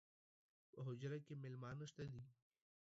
پۀ حجره کې میلمانۀ شته دي